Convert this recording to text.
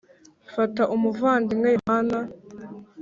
fata umuvandimwe yohana,